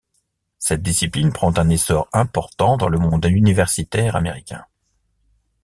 Cette discipline prend un essor important dans le monde universitaire américain.